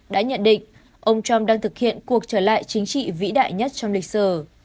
đã nhận định ông trump đang thực hiện cuộc trở lại chính trị vĩ đại nhất trong lịch sử